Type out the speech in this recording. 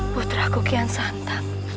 putra kukian santan